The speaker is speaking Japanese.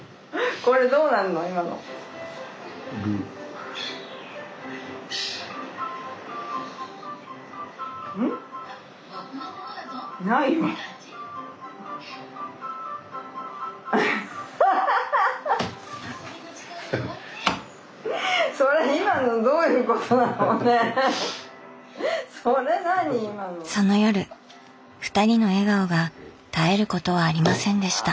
その夜ふたりの笑顔が絶えることはありませんでした。